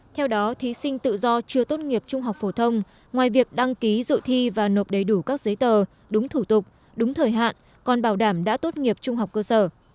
theo đó thí sinh tự do chưa tốt nghiệp trung học phổ thông ngoài việc đăng ký dự thi và nộp đầy đủ các giấy tờ đúng thủ tục đúng thời hạn còn bảo đảm đã tốt nghiệp trung học cơ sở